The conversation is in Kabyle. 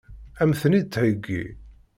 Ad m-ten-id-theggi?